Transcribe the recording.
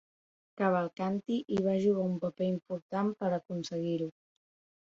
Cavalcanti hi va jugar un paper important per aconseguir-ho.